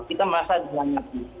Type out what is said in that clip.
kita merasa dihianati